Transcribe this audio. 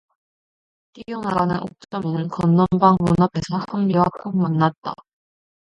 뛰어나가는 옥점이는 건넌방 문 앞에서 선비와 꼭 만났다.